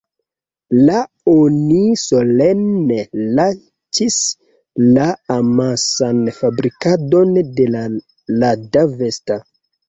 La oni solene lanĉis la amasan fabrikadon de Lada Vesta.